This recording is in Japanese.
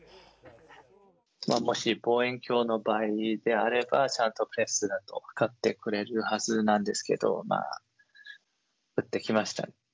もし望遠鏡の場合であれば、ちゃんとプレスだと分かってくれるはずなんですけど、撃ってきました。